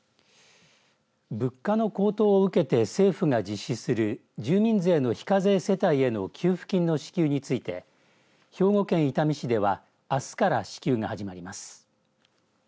物価の高騰を受けて政府が実施する住民税の非課税世帯への給付金の支給について兵庫県伊丹市ではあすから支給が始まります。